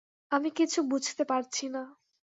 আমি কিছু বুঝতে পারছি না।